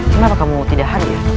kenapa kamu tidak hadir